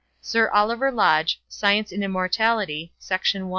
Sir Oliver Lodge: Science and Immortality, Section 1.